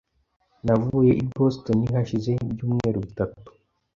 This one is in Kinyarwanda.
Navuye i Boston hashize ibyumweru bitatu .